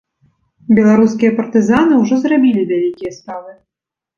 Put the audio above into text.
Беларускія партызаны ўжо зрабілі вялікія справы.